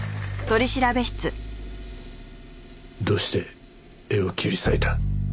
どうして絵を切り裂いた？